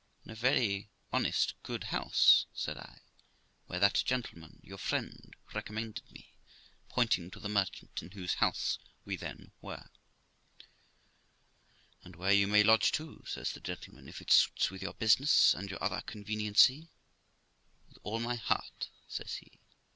'In a very honest, good house', said I, 'where that gentleman, your friend, recommended me', pointing to the merchant in whose house we then were. 'And where you may lodge too, sir', says the gentleman, 'if it suits with your business and your other conveniency.' ' With all my heart ', says he.